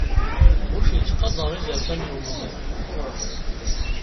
Bush yettqadar izerfan n wemdan.